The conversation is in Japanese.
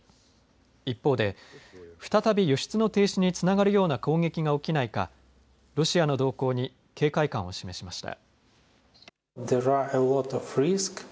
一方で再び輸出の停止につながるような攻撃が起きないかロシアの動向に警戒感を示しました。